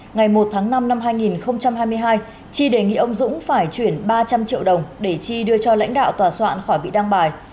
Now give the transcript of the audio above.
ngày một tháng năm năm hai nghìn hai mươi hai chi đề nghị ông dũng phải chuyển ba trăm linh triệu đồng để chi đưa cho lãnh đạo tòa soạn khỏi bị đăng bài